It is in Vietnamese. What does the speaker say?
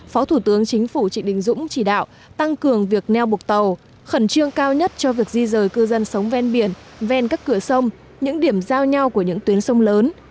phó thủ tướng chính phủ trịnh đình dũng chỉ đạo tăng cường việc neo bục tàu khẩn trương cao nhất cho việc di rời cư dân sống ven biển ven các cửa sông những điểm giao nhau của những tuyến sông lớn